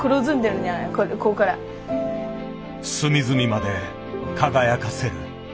隅々まで輝かせる。